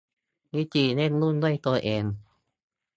วิธีเล่นหุ้นด้วยตัวเอง